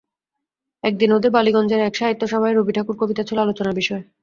একদিন ওদের বালিগঞ্জের এক সাহিত্যসভায় রবি ঠাকুরের কবিতা ছিল আলোচনার বিষয়।